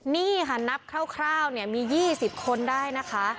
นี่ค่ะนับคร่าวเนี่ยมี๒๐คนได้นะคะ